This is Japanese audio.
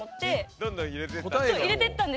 どんどん入れてったんだ。